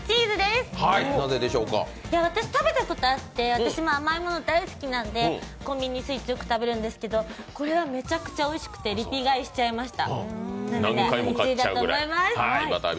私食べたことあって、甘いもの大好きなんでコンビニスイーツよく食べるんですけど、これはめちゃくちゃおいしくてリピ買いしちゃいました。